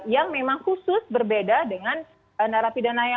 yang memang khusus berbeda dengan narapidana yang lain